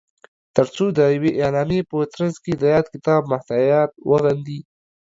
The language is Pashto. تر څو د یوې اعلامیې په ترځ کې د یاد کتاب محتویات وغندي